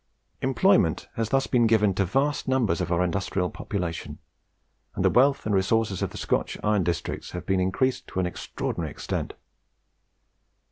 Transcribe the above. Employment has thus been given to vast numbers of our industrial population, and the wealth and resources of the Scotch iron districts have been increased to an extraordinary extent.